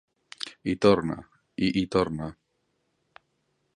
Hi torna i hi torna.